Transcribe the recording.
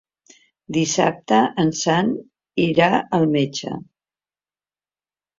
Dissabte en Sam irà al metge.